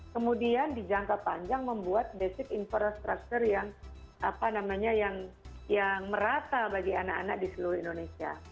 kemudian dijangka panjang membuat basic infrastructure yang merata bagi anak anak di seluruh indonesia